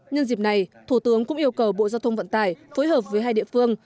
nhân dịp này thủ tướng cũng yêu cầu bộ giao thông vận tải phối hợp với hai địa phương